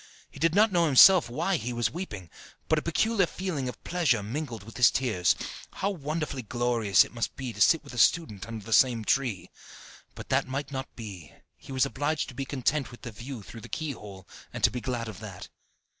He did not know himself why he was weeping, but a peculiar feeling of pleasure mingled with his tears. How wonderfully glorious it must be to sit with the student under the same tree! But that might not be, he was obliged to be content with the view through the keyhole, and to be glad of that.